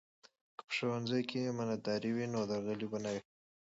که په ښوونځي کې امانتداري وي نو درغلي به نه وي.